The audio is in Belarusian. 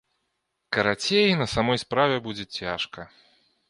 Карацей, на самой справе будзе цяжка.